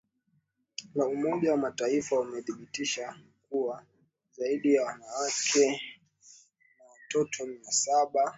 la umoja wamataifa umedhibitisha kuwa zaidi ya wananake na watoto mia saba